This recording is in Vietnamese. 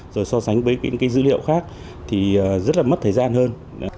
rồi so sánh với những cái dữ liệu khác thì rất là mất thời gian hơn